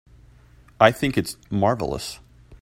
I think it's marvelous.